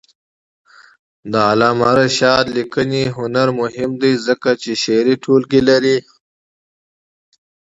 د علامه رشاد لیکنی هنر مهم دی ځکه چې شعري ټولګې لري.